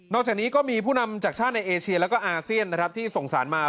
จากนี้ก็มีผู้นำจากชาติในเอเชียแล้วก็อาเซียนนะครับที่ส่งสารมา